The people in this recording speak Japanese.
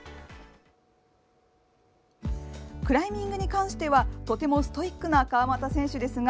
クライミングに関しては、とてもストイックな川又選手ですが。